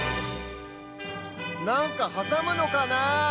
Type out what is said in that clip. なんかはさむのかなあ？